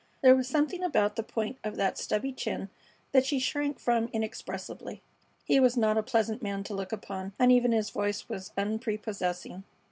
There was something about the point of that stubby chin that she shrank from inexpressibly. He was not a pleasant man to look upon, and even his voice was unprepossessing.